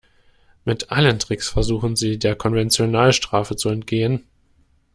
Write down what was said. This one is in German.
Mit allen Tricks versuchen sie, der Konventionalstrafe zu entgehen.